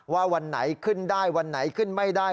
วันไหนขึ้นได้วันไหนขึ้นไม่ได้